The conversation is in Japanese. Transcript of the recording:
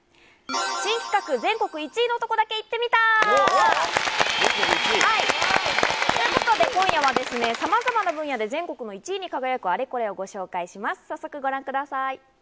新企画、全国１位のとこだけ行ってみた！ということで、今夜はですね、さまざまな分野で全国の１位に輝くあれこれをご紹介します。